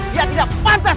dia tidak pantas